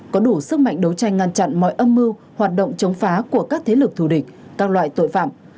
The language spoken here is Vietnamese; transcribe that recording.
có đủ sức mạnh đấu tranh ngăn chặn mọi âm mưu hoạt động chống phá của các thế lực thù địch các loại tội phạm